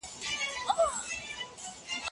ډېرو لیکوالانو ترې زده کړه وکړه.